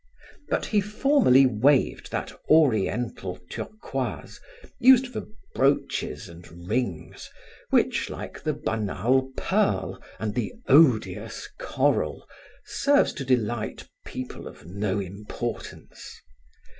But he formally waived that oriental turquoise used for brooches and rings which, like the banal pearl and the odious coral, serves to delight people of no importance.